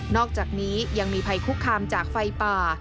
อกจากนี้ยังมีภัยคุกคามจากไฟป่า